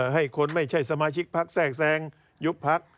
ให้คนไม่ใช่สมาชิกพักแทรกแทรงยุบพัก